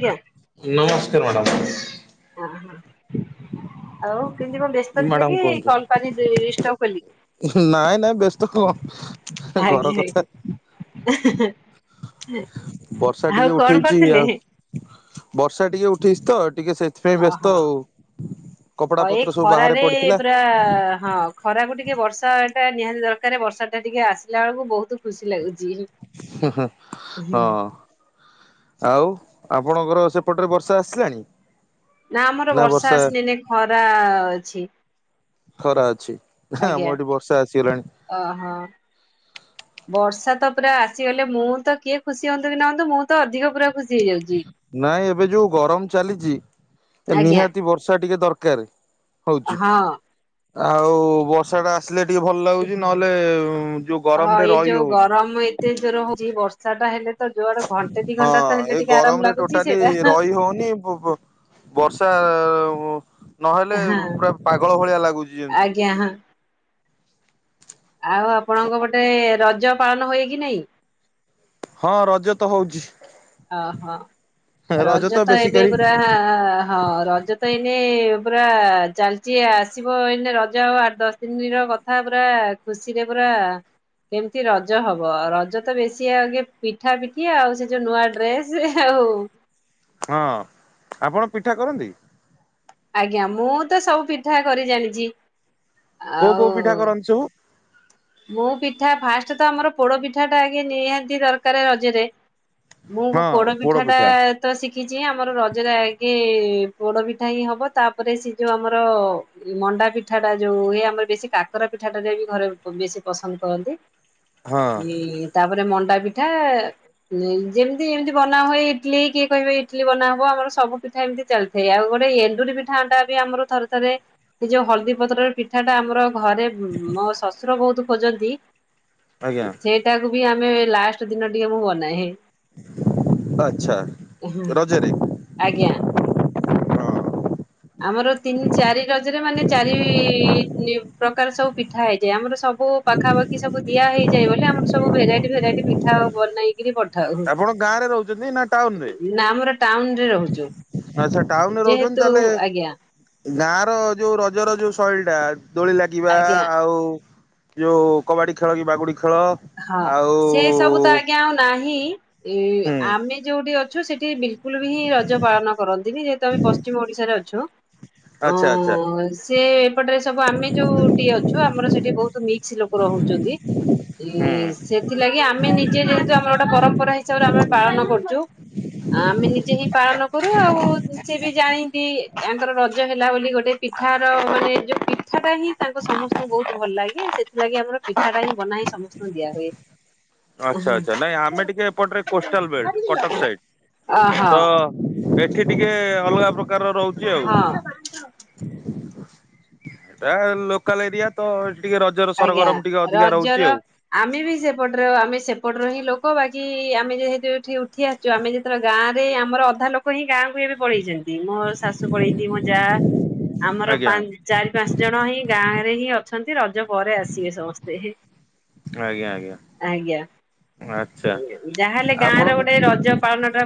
ଆଜ୍ଞା।। ନମସ୍କାର ମାଡ଼ାମ। ଆଉ ହଁ କେମିତି କଣ ବ୍ୟସ୍ତ ଥିଲେ ମ୍ୟାଡାମ କି କୁହନ୍ତୁ। କଲ କଲି ଡିସ୍ଟପ୍ କଲି ନାଇଁ ନାଇଁ ବ୍ୟସ୍ତ କଣ ଘର କଥା [unintelligible] ହୁଁ। ବର୍ଷା ଟିକେ ଉଠେଇଚି ଆଉ ବର୍ଷା ଟିକେ ଉଠେଇଚି ତ ଟିକେ ସେଥିପାଇଁ ବ୍ୟସ୍ତ ଓହୋ ଆଉ। କପଡା ହଁ ଏଇ ପତ୍ର ସବୁ ବାହାରେ ଖରାରେ ପଡିଥିଲା ପୁରା ହଁ ଖରାକୁ ଟି ଟିକେ ବର୍ଷାଟା ନିହାତି ଦରକାର ବର୍ଷାଟା ଟିକେ ଆସିଲା ବେଳୁକୁ ବହୁତ ଖୁସି ଲାଗୁଚି ହଁ ହୁଁ। ଆଉ ଆପଣଙ୍କର ସେପଟରେ ବର୍ଷା ଆସିଲାଣି? ନା ଆମର ବର୍ଷା ଆସିନି ଖରା ଅଛି। ଖରା ଅଛି ହାଁ ଆଜ୍ଞା ଆମ ଏଠି ବର୍ଷା ଆସିଗଲାଣି ଓହୋ। ବର୍ଷା ତ ପୁରା ଆସିଗଲେ ମୁଁ ତ କିଏ ଖୁସି ହୁଅନ୍ତୁ କି ନହୁଅନ୍ତୁ ମୁଁ ତ ଅଧିକ ପୁରା ଖୁସି ହେଇଯାଉଛି। ନାଇଁ ଏବେ ଯୋଉ ଗରମ ଚାଲିଛି ଆଜ୍ଞା ନିହାତି ବର୍ଷା ଟିକେ ଦରକା କାର ହଁ ଆଉ ବର୍ଷା ଟା ଆସ ଯୋଉ ହଁ ଗରମରେ ହଁ ଏଇ ରହି ଯୋଉ ହଉନି। ଗରମ ଏତେ ଜୋର ହଉଛି ବର୍ଷା ଟା ହେଲେ ତ ଜୋଆଡେ ଘଣ୍ଟେ ଦି ଘଣ୍ଟା ତ ହଁ ହେଲେ ଏଇ ଟିକେ ଆରାମ ଗରମରେ ଲାଗୁଛି ଟୋଟାଲି ସେଇଟା ରହି ହଉନି ବ-ବ-ବର୍ଷା ଆ [unintelligible] ନହେଲେ ହଁ ପୁରା ପାଗଳ ଭଳିଆ ଲାଗୁଛି ଯେମିତି ଆଜ୍ଞା ହଁ ଆଉ ଆପଣଙ୍କ ପଟେ ରଜ ପାଳନ ହୁଏ କି ନାଇଁ? ହଁ ରଜ ତ ହଉଚି। ଓହୋ ରଜ ତ ବେଶୀ ଏବେ କରି ପୁରା ହଁ ରଜ ତ ଏଇନେ ପୁରା ଚାଲିଚି ଆସିବ ଏଇନେ ରଜ ଆଉ ଆଠ ଦଶ ଦିନ ର କଥା ପୁରା ଖୁସିରେ ପୁରା କେମିତି ରଜ ହବ ରଜ ତ ବେଶି ଆଗେ ପିଠା ପିଠି ଆଉ ସେ ଯୋଉ ନୂଆ ଡ୍ରେସେ ଆଉ ହଁ ଆପଣ ପିଠା କରନ୍ତି? ଆଜ୍ଞା ମୁଁ ତ ସବୁ ପିଠା କରି ଜାଣିଚି। କୋଉ କୋଉ ପିଠା କରନ୍ତି ସବୁ? ମୁଁ ପିଠା ଫାଷ୍ଟ ତ ଆମର ପୋଡ ପିଠା ଟା ଆଗେ ନିହାତି ଦରକାର ରଜରେ। ମୁଁ ଙ୍ଗୁ ହଁ ପୋଡ ପୋଡପିଠାଟା ପିଠା ତ ଶିଖ ଦେଖିଛି ଆମର ରଜରେ ଆଗେ ପୋଡ ପିଠା ହିଁ ହବ ତାପରେ ସେ ଯୋଉ ଆମର ମଣ୍ଡା ପିଠା ଟା ଯୋଉ ହୁଏ ଆମର ବେଶୀ କାକରା ପିଠାଟ ବି ଘରେ ବେଶୀ ପସନ୍ଦ କରନ୍ତି। ହଁ ହିଁ ତାପରେ ମ ଣ୍ଡା ପିଠା ଯେମିତି ଏମିତି ବନା ହୁଏ ଇଟଲିି କିଏ କହିବେ ଇଟିଲି ବନା ହବ ଆମର ସବୁିଠା ଏମତି ଚାଲିଥାଏ ଆଉ ଗୋଟେ ଏଣ୍ଡୁରି ପିଠା ଅଟା ବି ଆମର ଥରେ ଥରେ ସେ ଯୋଉ ହଳଦୀ ପତ୍ରର ପିଠାଟା ଆମର ଘରେ ମୋ ଶସ ବହୁତ ଖୋଜନ୍ତି ଆଜ୍ଞା ସେଇଟାକୁ ବି ଆମ ଏ ଲାଷ୍ଟ ଦିନ ଟିକେ ମୁଁ ବନାଏ ଆଚ୍ଛା ରଜରେ ଆଜ୍ଞା। ଆମର ତିନି ଚାରି ରଜରେ ମାନେ ଚାରି ଇ ଇ ଇ ପ୍ରକାର ସବୁ ପିଠା ହେଇଥାଏ ଆମର ସବୁ ପାଖାପାଖି ସବୁ ଦିଆ ହେଇଯାଏ ବୋଲି ଆମର ସବୁ ଭେରାଇଟି ଭେରାଇଟି ମିିଠା ବନେଇକିରି ପଢି ଆପଣ ଗାଁରେ ରହୁଛନ୍ତି ନା ଟାଉନରେ ନା ଆମର ଟାଉନ ରେ ରହୁଛୁ ଆଚ୍ଛା ଟାଉନରେ ରହୁଛନ୍ତି ଯେହେତୁ ତାହେଲେ ଆଜ୍ଞା ଗାଁ ର ଯୋଉ ରଜର ଯୋଉ ଶୈଳୀ [inaudible] ଦୋଳି ଲାଗିବା ଆଜ୍ଞା ଆଉ ଯୋଉ କବାଡି ଖେଳ କିିବା ଗୁଡିି ହଁ ସେ ସବୁ ତ ଆଜ୍ଞା ଆଉ ନାହିଁ ଏ ହୁଁ ଆମେ ଯୋଉଠି ଅ- ଛୁ ସେଠି ବ- ସ୍କୁଲ ବି ହିଁ ରଜ ପାଳନ କରନ୍ତିନି ଯେହେତୁ ଆମ ପଶ୍ଚିମ ଓଡିଶାରେ ଅଛୁ- ଆଚ୍ଛା ଆଚ୍ଛା ସେ ଏପଟରେ ସବୁ ଆମେ ଯୋଉି ଅଛୁ ଆମର ସେଠି ବହୁତ- ମିକ୍ସ ଲୋକ ରହୁଛନ୍ତି- ଏ ହୁଁ ସେଥିଲାଗି ଆମେ ନିଜେ ଯେହେତୁ ଆମର ଗୋଟେ ପରମ୍ପରା ହିସାବରେ ଆମେ ପାଳନ କରୁଛୁ- ଆମେ ନିଜେ ହିଁ ପାଳନ କରୁ ଆଉ ସେଏ ବି ଜାଣିନ୍ତି ତାଙ୍କର ରଜ ହେଲା ବୋଲି ଗୋଟେ ପିଠାର ମାନେ ଯୋଉ ପିଠାଟା ହିଁ ତାଙ୍କ ସମସ୍ତଙ୍କୁ ବହୁତ ଭଲ ଲାଗେ ସେଥିଲାଗି ଆମର ପିଠାଟା ହିଁ ବନାଁ ସମସ୍ତଙ୍କୁ- ହ ଦିଆ ହଏ। ଆଚ୍ଛା ଆଚ୍ଛା ନାଇଁ ଆମେ ଟିକେ ଏପଟରେ କୋଷ୍ଟାଲ ବେଲ୍ଟ କଟକ ସାଇଡ ଓହୋ ତ- ଏଠି ଟିକେ ଅଲଗା ପ୍ରକାର- ପ୍ରକାର ରହୁଛି ଆଉ- ହଁ। ଏଟ ଲୋକଲ ଏରିଆ ତ- ଟିକେ ରଜର ଆଜ୍ଞା ସରଗରମ ଟିକେ ଅଧିକା ରହୁଛି ରଜର ଆଉ ଆମେ ବି ସେପଟରେ ଆମେ ସେ- ପଟର ହିଁ ଲୋକ ବାକି ଆମେ ଯେହେତୁ ଏଠି- ଉଠି ଆସୁ ଆମେତେବେଳେ ଗାଁ- ଆମର ଅଧା ଲୋକ ହିଁ ଗାଁ- ଏବେ ପଳେଇଛନ୍ତି ମୋ ଶାଶୁ ପଳେଇଛନ୍ତି ମୋ ଯା ଆମର ଆଜ୍ଞା ଚାରି ପାଞ୍ଚ ଜଣ ହିଁ ଗାଁରେ- ହିଁ ଅଛନ୍ତି ର- ବରେ ଆସି ସସ୍ତେ ହେ- ଆଜ୍ଞା ଆଜ୍ଞା ଆଚ୍ଛା ଯାହାହେଲେ ଗାଁ ର ଗୋଟେ ଆପଣଙ୍କ ରଜ ପାଳନଟା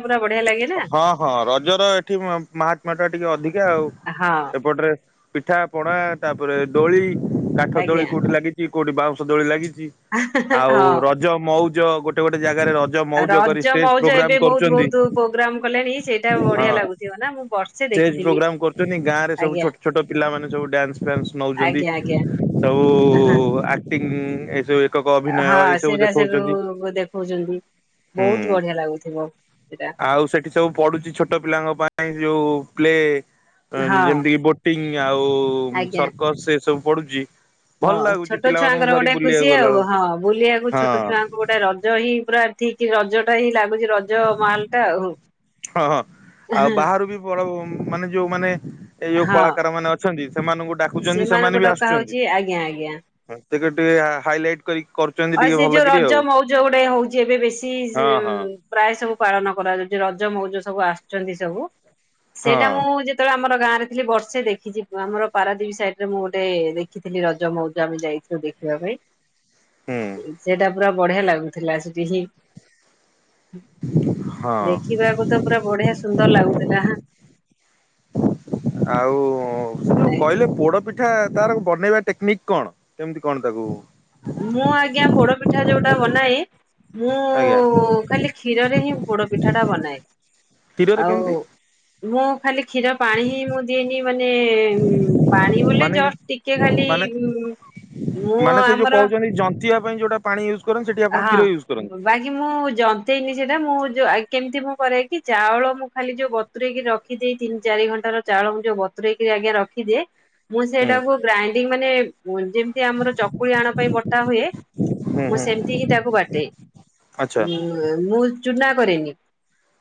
ହଁ ହଁ ରଜର ଏଠି ମହାତ୍ମ୍ୟ ଟା ଟିକେ ଅଧିକ। ଆ ଆଉ ହଁ। ଏପଟରେ ପିଠା ପଣା ତାପରେ ଦୋଳି କାଠ ଦୋଳି ଆଜ୍ଞା କୋଉଠି ଲାଗିଛି କୋଠି ବାଉଁଷ ଦୋଳି ଲାଗି ଆଉ ହଁ। ରଜ ମଉଜ ଗୋଟେ ଗୋଟେ ଗୋଟେ ଜାଗାରେ ରଜ ଆଉ ମଉଜ କରି ରଜ ଷ୍ଟେଜ ମଉଜ ପ୍ରୋଗ୍ରାମ ଏବେ ବହୁତ କରୁଛନ୍ତି ବହୁତ୍ର ହଁ ମୁଁ ବର୍ଷେ ଷ୍ଟେଜ ଦେଖିଥିଲି। ପ୍ରୋଗ୍ରାମ କରୁଛନ୍ତି ଗାଁ ରେ ସବୁ ଆଜ୍ଞା ଛୋଟ ଛୋଟ ପିଲାମାନୋନେ ସବୁ ଡ୍ୟାନ୍ସ ଫ୍ୟାନ୍ସ ନଉଛନ୍ତି ଆଜ୍ଞା ଆଜ୍ଞା ହଁ। ସବୁ ଆଟି ହୁଁ ଏ। ହଁ ସେଟା ସେବୁ ଦେଖଉଛନ୍ତି ହୁଁ ବହୁତ ବଢିଆ ଲାଗୁଥିବ ସେଟା। ଏଠି ସବୁ ପଢୁଛି ଛୋଟ ପିଲାଙ୍କ ପାଇଁ ଯଉ ପ୍ଲେ ହଁ ଅଁ ଯେମିତି କିି ବୋଟି ଆଉ ଆଜ୍ଞା। ସର୍କସ ଏ ସବୁ ପଡ଼ୁଛି। ହଁ ଛୋଟ ଛୁଆଙ୍କର ଗୋଟେ ଖୁସି ଗଲା ଆଉ ବେଳକୁ ହଁ ବୁଲିବାକୁ ଛୋଟ ହଁ। ଛୁଆଙ୍କୁ ଗୋଟେ ରଜ ହିଁ ପୁରା ଠିକ। କି ରଜ ଟା ହିଁ ଲାଗ୍ ହୁଛି ରଜ ମାଲ୍ ଟା ଆଉ ହଁ ହଁ ଆଉ ବାହାରୁ ବି ବ ରଉଁ ମାନେ ଯୋଉ ମାନେ ଏଇ ଯୋଉ କଳାକାର ମାନେ ଅଛନ୍ତି ସେମାନଙ୍କୁ ଡାକୁଛନ୍ତି ସେମାନଙ୍କୁ ସେମାନେ ବି ଡକା ଆସୁଛନ୍ତି। ହଉଛି ଆଜ୍ଞା ଆଜ୍ଞା। ସେ ଟିକେ ହାଇଲାଇଟ୍। ଆଉ ସେ ଯୋଉ ରଜ ମଉଜ ଗୋଟେ ହଉଛି ଏବେ ବେଶୀ ହଁ ହଁ। ଉଁ ପ୍ରାୟ ସବୁ ପାଳନ କରାଯାଉଛି ରଜ୍ ଜ ମଉଜ ସବୁ ଆସୁଛନ୍ତି ସବୁ। ହଁ ସେଇଟା ମୁଁ ଯେତେବେଳେ ଆମର ଗାଁ ଥିଲେ ବର୍ଷେ ଦେଖିଛି ଆମର ପାରାଦୀପ୍ ସାଇଡରେ ମୁଁ ଗୋଟେ ଦେଖିଥିଲି ରଜ ମଉଜମ ଯାଇଥିଲୁ ଦେଖିବା ପାଇଁ। ହୁଁ ସେଟା ପୁରା ବଢିଆ ଲାଗୁଥିଲା ସେଠି ହିଁ ହଁ ଦେଖିବାକୁ ତ ପୁରା ବଢିଆ ସୁନ୍ଦର ଲାଗୁଥିଲା। ଆଉ କହିଲେ ପୋଡପିଠ୍ ଠା ତାର ବନେଇବା ଟେକ୍ନିକ କଣ କେମତି କଣ ତାକୁ ମୁଁ ଆଜ୍ଞା ପୋଡ ପିଠା ଯୋଉଟା ବନାଏ। ମୁଁ ଆଜ୍ଞା ଖାଲି କ୍ଷୀରରେ ହିଁ ପୋଡ ପିଠାଟା ବନାଏ କ୍ଷୀରରେ ଆଉ କେମିତି ମୁଁ ଖାଲି କ୍ଷୀର ପାଣି ହିଁ ମୁଁ ଦିଏନି ମାନେ ପାଣି ବୋଲେ ମାନେ ଜଷ୍ଟ ଟିକେ ଖାଲି ମାନେ ମୁଁ ସେ ଯୋଉ ଆମର ମାନେ ଜନ୍ତିବା ପାଇଁ ଯୋଉଟା ପାଣି ଇଉସ୍ ହଁ ବାକି ମୁଁ ଜନ୍ତେନି ସେଟା ମୁଁ ଯୋଉ ଆ କେମିତି ମୁଁ କରେ କି ଚାଉଳ ମୁଁ ଖାଲି ଯୋଉ ବତରେଇକି ରଖିଦି ତିନି ଚାରି ଘଣ୍ଟ ର ଚାଉଳ ମୁଁ ଯୋଉ ବତୁରରେକି ଆଜ୍ଞା ରଖିଦିଏ ମୁଁ ହୁଁ ସେଇଟାକୁ ଗ୍ରାଇଣ୍ଡିଙ୍ଗ ମାନେ ମୁଁ ଯେମିତି ଆମର ଚକୁଳି ଆଣ ପାଇଁ ବଟା ହୁଏ ହୁଁ ମୁଁ ହୁଁ ସେମତ୍ ତିକି ତାକୁ ବାଟେ ଉ ଆଚ୍ଛା ମୁଁ ଚୁନା କରେନି।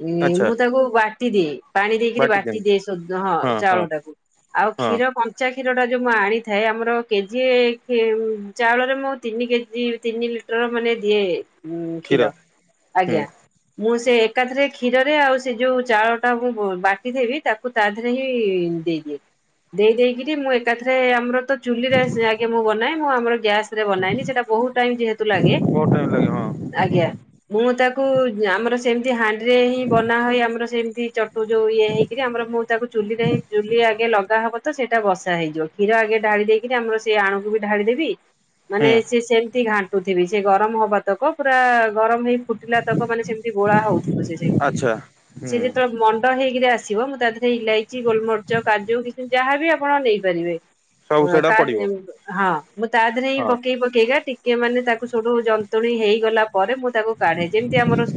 ଉଁ ଆଚ୍ଛା ମୁଁ ତାକୁ ବାଟ୍ ଟି ଦେ ପାଣି ଦେଇକରି ବାଟି ବାଟିଛନ୍ତି ଦିଏ ସୁଦ୍ ହଁ ଚାଉଳ ଟାକୁ ଆଉ ହଁ କ୍ଷୀର କଞ୍ଚା କ୍ଷୀର ଟା ଯେ ମୁଁ ଆଣିଥାଏ ଆମର କେଜିଏ କେ ଚାଉଳରେ ମୁଁ ତିନି କେଜି ତିନି [unintelligible] ମାନେ ଦିଏ ଉଁ କ୍ଷୀର ହୁଁ। ଆଜ୍ଞା ମୁଁ ସେ ଏକାଥରେ କ୍ଷୀରରେ ଆଉ ସେ ଯୋଉ ଚାଉଳ ଟା ମୁଁ ବାଟି ଦେବି ତାକୁ ତା ଦେହରେ ହିଁ ଦେଇଦିଏ ଦେଇ ଦେଇକିରି ମୁଁ ଏକାଥରେ ଆମର ତ ଚୁଲିରେ ଆ ମୁଁ ବନାଏ ମୁଁ ଆମର ଗ୍ୟାସ ରେ ବନାଏନି ସେଟା ବହୁତ ଟ କୁ ଲାଗେ ବହୁତ ଟାଇମ ଲାଗେ ହଁ ଆଜ୍ଞା ମୁଁ ତାକୁ ଆମର ସେମତି ହାଣ୍ଡିରେ ହିଁ ବନା ହୁଏ ଆମର ସେମିତି ଚଟୁ ଯୋଉ ଇଏ ହେଇକରି ଆମର ମୁଁ ତାକୁ ଚୁଲିରେ ହଁ ଚୁଲି ଆଗେ ଲଗା ହବ ତ ସେଇଟା ବସା ହେଇଯିବ କ୍ଷୀର ଆଗେ ଢ଼ାଳି ଦେଇକରି ଆମର ସେଇ ଆଣୁକୁ ବି ଢାଳିିଦେବି ହୁଁ ମାନେ ସେ ସେମିତି ଘା ଥିବି ସେ ଗରମ ହବା ତକ ପୁରା ଗରମ ହେଇ ଫୁଟିଲା ତକ ମାନେ ସେମିତି ଗୋଳା ହଉଥିବ ସେ ସେମିତି ଆଚ୍ଛା ହୁଁ ସେ ଯେତେବେଳେ ମଣ୍ଡ ହେଇକିରି ଆସ ଆସିବ ମୁଁ ତା ଦେହରେ ଇଲାଇଚି ଗୋଲମର୍ଚ କାଜୁ କି ଯାହା ବି ଆପଣ ନେଇପାରିବେ। ଅ ସବୁ ସେଇଟା କା ପଡିବ। ହଁ ମୁତାଦେହରେ ହଁ ପକେଇ ପକେଇ ଟି କେ ମାନେ ତାକୁ ସେଠୁ ଜନ୍ତୁଣି ହେଇଗଲା ପରେ ମୁଁ ତାକୁ କାଢେ ଯେମିତି ଆମର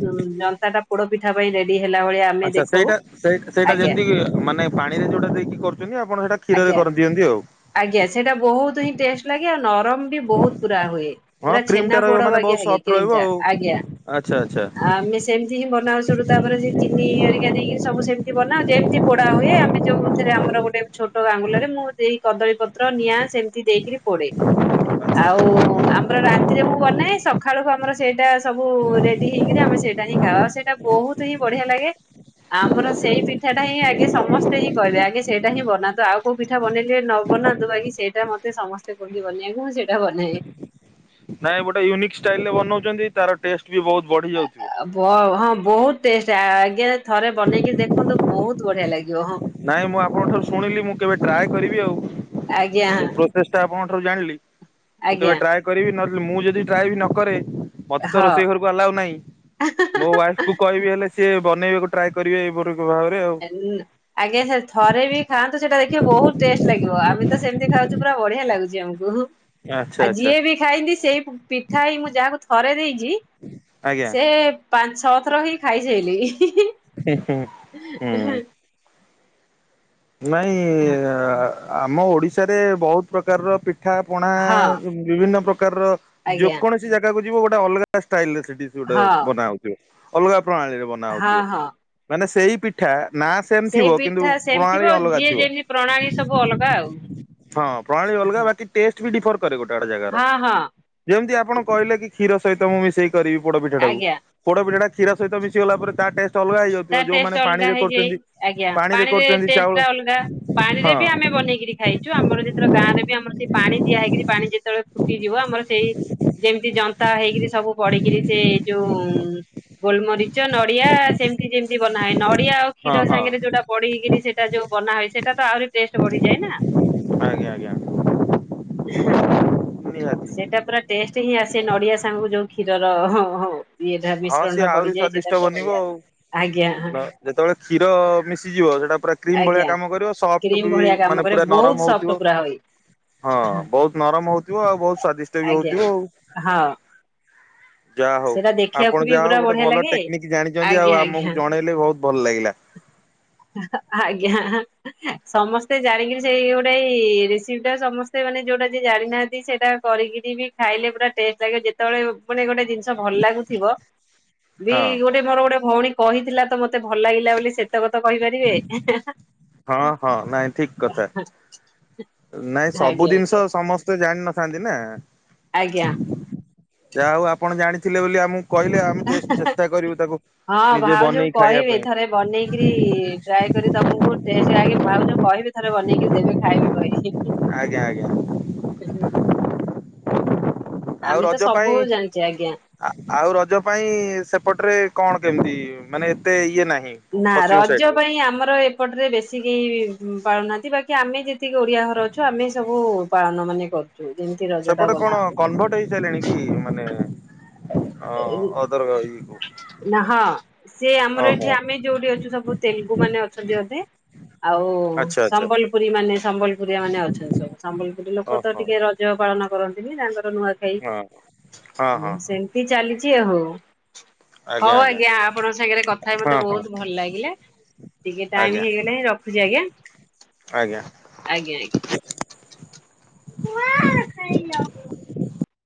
ଯନ୍ତା ଟା ପୋଡ ପିଠା ପାଇଁ ରେଡି ହେଲା ଭଳିଆ ଆମେ ଆଚ୍ଛା ଦେଖଉ ସେଇଟା ସେଇ ସେଇଟା ଆଜ୍ଞା ଯେମିତି ମାନେ ପାଣି ରେ ଯୋଉଟା ଦେଇକି କରୁଛନ୍ତି ଆପଣ ସେଇଟା କ୍ଷୀରରେ ଆଜ୍ଞା କରିଦିଅନ୍ତି ଆଉ। ଆଜ୍ଞା ସେଇଟା ବହୁତ ହିଁ ଟେଷ୍ଟ ଲାଗେ ଆଉ ନରମ ବି ବହୁତ ପୁରା ହୁଏ। ହଁ ପୁରା କ୍ରିମ ଟା ଛେନା ରହିବ ପୋଡ ମାନେ ବାଗିଆ ବହୁତ ହେ ସଫ୍ଟ କେକ୍ ରହିବ ଟା ଆଉ ଆଜ୍ଞା ଆଚ୍ଛା ଆଚ୍ଛା ଆମେ ସେମିତି ହିଁ ବନାଉ ସେଟୁ ତାପରେ ସେ ଚିନି ଆରିକା ଦେଇକି ସବୁ ସେମିତି ବନାଉ ଯେମିତି ପୋଡ଼ା ଭାଲିଆ ଆମେ ଯେଉଁ ଏଥିରେ ଆମର ଗୋଟେ ଛୋଟ ଗାଙ୍ଗୁଲାରେ ମୁଁ ଦେଇ କଦଳୀ ପତ୍ର ନିଆଁ ସେମିତି ଦେଇକରି ପୋଡ଼େ ଆଚ୍ଛା। ଆଉ ଆମର ରାତିରେ ମୁଁ ବନାଏ ସକାଳକୁ ଆମର ସେଇଟା ସବୁ ରେଡି ହେଇକରି ଆମେ ସେଇଟା ହିଁ ଖାଅଉ ସେଇଟା ବହୁତ ହିଁ ବଢିଆ ଲାଗେ ଆମର ସେଇ ପିଠାଟା ହିଁ ଆଗେ ସମସ୍ତେ ହିଁ କହିବେ ଆଗେ ସେଇଟା ହିଁ ବ ନାଁ ତ ଆଉ କୋଉ ପିଠା ବନେଇଲେ ନ ବନା ତୁ ବାକି ସେଇଟା ମତେ ସମସ୍ତେ କହିବେ ବନେଇ ବାକୁ ସେଇଟା ବନାଏ। ନାଇଁ ଗୋଟେ ୟୁନିକ୍ ଷ୍ଟାଇଲ ରେ ବନଉଛନ୍ତି ତାର ଟେଷ୍ଟ ବି ବହୁତ ବଢି ଯାଉଥିବ। ବ ହଁ ବହୁତ ଟେଷ୍ଟ୍ ଆ ଗେ ଥରେ ବନେଇକି ଦେଖନ୍ତୁ ବହୁତ ତୁ ବଢ଼ିଆ ଲାଗେ। ନାଇଁ ମୁଁ ଆପଣଙ୍କ ଠାରୁ ଶୁଣିଲି ମୁଁ କେବେ ଟ୍ରାଏ କରିବି ଆଉ। ଆଜ୍ଞା ସେ ପ୍ରୋସେସ ଟା ଆପଣଙ୍କ ଠାରୁ ଜାଣିଲି ମୁଁ କେବେ ଆଜ୍ଞା ଟ୍ରାଏ କରିବି ନ ମୁଁ ଯଦି ଟ୍ରାଏ ବି ନ କରେ ମତେ ତ ହଁ ରୋଷେଇ ଘରକୁ ଆଲାଉ ନାହିଁ ମୋ ୱାଇଫ କୁ କହିବି ହେଲେ ସିଏ ବନେଇ ବାକୁ ଟ୍ରାଏ କରିବେ ଏଇ ଭାବରେ ଆଉ। ଆଜ୍ଞା ଥରେ ବି ଖାନ୍ତୁ ସେଟା ଦେଖିବେ ବହୁତ ଟେଷ୍ଟ ଲାଗିବ ଆମେ ତ ସେମିତି ଖାଉଛୁ ପୁରା ବଢିଆ ଲାଗୁଛି। ଜଙ୍ଗୁ ଆଚ୍ଛା ଆଉ ଆଚ୍ଛା ଯିଏ ବି ଖାଇନ୍ତି ସେଇ ପିଠା ହି ମୁଁ ଯାହାକୁ ଥରେ ଦେଇଛି ଆଜ୍ଞା। ସେ ପାଞ୍ଚ ଛଅଥର ହିଁ ଖାଇ ସାଇଲେ ହିଁ। ହୁଁ ହୁଁ। ହୁଁ। ନାଇ ଅ ଆମ ଓଡ଼ିଶାରେ ବହୁତ ପ୍ରକାରର ପି ପିଠା ପଣା ହଁ ବିଭିନ୍ନ ପ୍ରକା ପ୍ରକାର ଆଜ୍ଞା ଯେକୌଣସି ଜାଗା କୁ ଯିବ ଗୋଟେ ଅଲଗା ଷ୍ଟାଇଲ ରେ ଡିସ ଗୋଟେ ହଁ ବନାହଉଥିବ। ଅଲଗା ପ୍ରଣାଳୀରେ ବନା ହଁ ହଉଥିବ ହଁ। ମାନେ ସେ ସେଇ ପିଠା ନା ସେମ ସେଇ ଥିବ କିନ୍ତୁ ପିଠା ସେମିତି ଥିବ ଣାଳୀ ଅଲଗା ଯିଏ ଥିବ, ଯେମିତି ପ୍ରଣାଳୀ ସବୁ ଅଲଗା ଆଉ। ହଁ ପ୍ରଣାଳୀ ଅଲଗା ବାକି ଟେଷ୍ଟ ଡି ଫର ରେ ଗୋଟେ ଗୋଟେ ଜାଗାର ହଁ ହଁ ଯେମତି ଆ ଆପଣ କହିଲେ କି କ୍ଷୀର ସହିତ ମୁ ମିଶେଇକି କରିବି ପୋଡ ପିଠାଟାକୁ ଆଜ୍ଞା ପୋଡ ପିଠାଟା କ୍ଷୀର ସହିତ ମିଶିଗଲା ପରେ ତା ଟେଷ୍ଟ ଅଲଗା ହେଇଯାଉଥିବ ତା ଟେଷ୍ଟ ଯୋଉମାନେ ପାଣି ଅଲଗା ରେ ହେଇଯାଏ କରୁଛନ୍ତି ଆଜ୍ଞା ପାଣି ରେ କରୁ ପାଣିରେ ଟେଷ୍ଟ ଅଲଗା ପାଣିରେ ବି ଆମେ ବନେଇକିରି ଖାଇଛୁ ଆମର ଯେତେବେଳେ ଗାଁରେ ବି ଆମର ସେ ପାଣି ଦିଆ ହେଇକରି ପାଣି ଯେତେବେଳେ ଫୁଟିଯିବ ଆମର ସେଇ ଯେମିତି ଜନ୍ତା ହେଇକରି ସବୁ ପଡିକିରି ସେ ଯୋଉ ଗୋଲମରିଚ, ନଡିଆ ସେ ଯେମିତି ବନାଏ ନ ନଡିଆ ଆଉ ହଁ କ୍ଷୀର ହଁ ସାଙ୍ଗରେ ଯୋଉଟା ପଡିକିରି ସେ ଟା ଯଉ ବନା ହେଇ ସେଟା ଆହୁରି ପୁରା ଟେଷ୍ଟ ବଢିଯାଏ ନା, ଆଜ୍ଞା ଆଜ୍ଞା ନିହାତି। ସେଟା ପୁରା ଟେଷ୍ଟ ହି ଆସ ସେ ନଡିଆ ସାଙ୍ଗ ଯୋଉ କ୍ଷୀରର ହଁ ହଁ ଇଏଟା ମିଶ୍ରଣ ଟା ପଡିଯାଏ ସେଟା ପୁରା ବଢିଆ ଆଜ୍ଞା ନା ଯେତେବେଳେ କ୍ଷୀର ମିଶିଯିବ ସେଟା କ୍ରିମ ଭଳିଆ ଆଜ୍ଞା କାମ କରିବ ସଫ୍ଟ କ୍ରିମ ବି ଭଳିଆ କାମ ମାନେ କରେ ପୁରା ବହୁତ ନରମ ସଫ୍ଟ ହଉଥିବ ପୁରା ହୁଏ। ହଁ ବହୁତ ନରମ ହଉଥିବ ଆଉ ବହୁତ ସ୍ଵାଦିଷ୍ଟ ବି ଆଜ୍ଞା ହଉଥିବ ଆଉ। ହଁ ଯା ହଉ। ସେଟା ଦେଖିବାକୁ ଆପଣ ବି ଯାହା ହଉ ପୁରା ଗୋଟେ ବଢିଆ ଭଲ ଲାଗେ। ଟେକ୍ନିକ ଜାଣିଛନ୍ତି ଆଜ୍ଞା ଆଜ୍ଞା ଆମକୁ ଜଣେଇଲେ ବହୁତ୍ ଭଲ ଲାଗିଲା। ଆଜ୍ଞା। ସମସ୍ତେ ଜାଣିକରି ସେଇ ଗୋଟେ ଏଇ ରେସିପି ଟା ସମସ୍ତେ ମାନେ ଯୋଉଟା ଯ ଜାଣିନାହାନ୍ତି ସେଇଟା କରିକିରି ବି ଖାଇଲେ ପୁରା ଟେଷ୍ଟ ଲାଗିବ ଯେତେବେଳେ ମାନେ ଗୋଟେ ଜିନଷ ଭଲ ଲାଗୁଥିବ ବି ହଁ। ଗୋଟେ ମୋର ଗୋଟେ ଭଉଣୀ କହିଥିଲା ତ ମତେ ଭଲ ଲାଗିଲା ବୋଲି ସେତ ତ କହିପାରିବେ। ହଁ ହଁ ନାଇଁ ଠିକ କଥା ନାଇଁ ସବୁ ଆଜ୍ଞା ଜିନିଷ ଆଜ୍ଞା ସମସ୍ତେ ଜାଣିିନଥାନ୍ତି ନା। ଆଜ୍ଞା। ଜା ଆଉ ଆପଣ ଜାଣିଥିଲେ ବୋଲି ଆମକୁ କହିଲେ ଆମେ ଚେଷ୍ଟା କରିବୁ ତାକୁ ହଁ ନିଜେ ଭାଉଜ ବନେଇ ଖାଇବା କହିବି ପାଇଁ ଥରେ ବନେଇକରି ଟ୍ରାଏ କରି ତମକୁ ଭାବୁଛୁ କହିବି ଥରେ ବନେଇକି ଦେବେ ଖାଇବେ ଭାଇ। ଆଜ୍ଞା ଆଜ୍ଞା। ଆଉ ଆମେ ତ ରଜ ପାଇଁ ସବୁ ଜାଣିଛେ ଆଜ୍ଞା। ଆଉ ରଜ ପାଇଁ ସେ ପଟରେ କଣ କେମିତି ମାନେ ଏତେ ଇଏ ନା ନା ରଜ ପାଇଁ ଆମର ଏପଟରେ ବେଶୀ କି କେହି ପାଳୁନାହାନ୍ତି ବାକି ଆମେ ଯେତିକି ଓଡ଼ିଆ ଘର ଅଛୁ ଆମେ ସବୁ ପାଳନ ମାନେ କରୁ। ସେପଟେ କଣ କନଭର୍ଟ ହେଇସାରିଲିଣି କି ମାନେ ଅଦର ଇଏକୁ ନା ହଁ ସିଏ ଆମର ଓହୋ ଏଠି ଆମେ ଯୋଉଠି ଅଛୁ ସବୁ ତେଲ ମାନେ ଅଛନ୍ତି ଅଧେ। ଆଉ ଆଚ୍ଛା ଆଚ୍ଛା ସମ୍ବଲପୁରୀ ମାନେ ସମ୍ବଲପୁରୀଆ ମାନେ ଅଛନ୍ତି ସବୁ ସମ୍ବଲପୁରୀ ଲୋକ ତ ଓହୋ ଟିକେ ରଜ ପାଳନ କରନ୍ତି। [unintelligible] ନୂଆ ହଁ ହଁ ହଁ ଖାଇ ଚାଲିଛି ଆ ହଉ। ହଉ ଆଜ୍ଞା ଆପଣଙ୍କ ସାଙ୍ଗରେ କଥା ହେଇ ହଁ ମତେ ହଁ ବହୁତ ଭଲ ଲାଗିଲା ଟିକେ ଟାଇମ ଆଜ୍ଞା ହେଇଗଲାଇଁ ରଖୁଛି ଆଜ୍ଞା ଆଜ୍ଞା ଆଜ୍ଞା ଆଜ୍ଞା। [unintelligible]